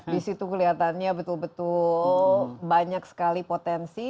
di situ kelihatannya betul betul banyak sekali potensi